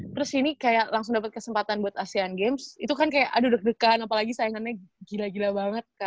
terus ini kayak langsung dapat kesempatan buat asean games itu kan kayak aduh deg degan apalagi saingannya gila gila banget